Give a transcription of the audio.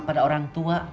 pada orang tua